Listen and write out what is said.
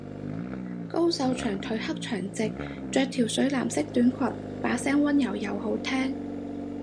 高瘦長腿黑長直，着條水藍色短裙，把聲溫柔又好聽